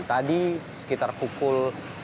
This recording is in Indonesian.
tadi sekitar pukul